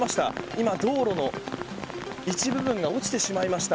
今、道路の一部分が落ちてしまいました。